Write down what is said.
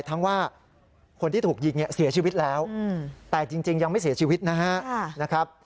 ทั้งว่าคนที่ถูกยิงเนี่ยเสียชีวิตแล้วแต่จริงยังไม่เสียชีวิตนะครับ